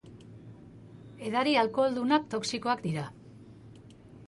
Edari alkoholdunak toxikoak dira.